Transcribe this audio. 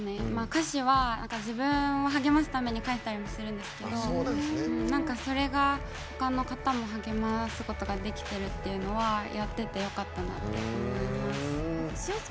歌詞は自分を励ますために書いたりするんですけどなんか、それが、ほかの方も励ますことができてるっていうのはやっててよかったなと思います。